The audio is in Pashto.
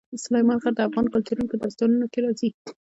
سلیمان غر د افغان کلتور په داستانونو کې راځي.